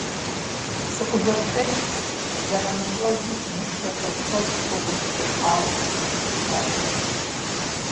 СыкъызэплъэкӀмэ, зэрамыщӀэжу зы мыщэ бацэжь гъуэгум къытехьауэ къыскӀэлъоджадэ.